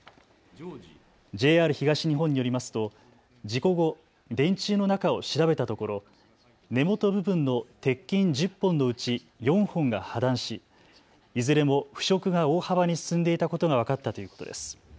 ＪＲ東日本によりますと事故後、電柱の中を調べたところ根元部分の鉄筋１０本のうち４本が破断しいずれも腐食が大幅に進んでいたことが分かったということです。